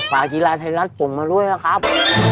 ขวายกีฬาไทยรัสต่งมาด้วยนะครับ